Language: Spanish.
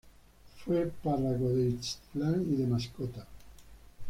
Fue párroco de Ixtlán y de Mascota.